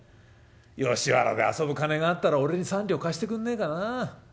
吉原で遊ぶ金があったら俺に三両貸してくんねえかなあ。